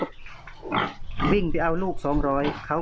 ผมก็วิ่งไปเอาลูก๒๐๐กิโลกรัม